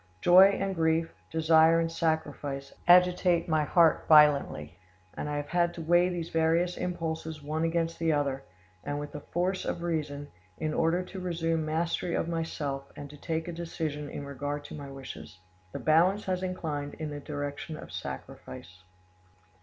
Joy and grief, desire and sacrifice, agitate my heart violently, and I have had to weigh these various impulses one against the other, and with the force of reason, in order to resume mastery of myself and to take a decision in regard to my wishes. "The balance has inclined in the direction of sacrifice.